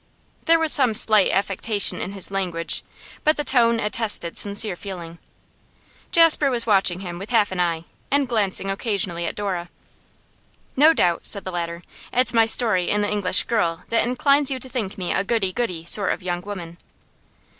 There was some slight affectation in his language, but the tone attested sincere feeling. Jasper was watching him with half an eye, and glancing occasionally at Dora. 'No doubt,' said the latter, 'it's my story in The English Girl that inclines you to think me a goody goody sort of young woman.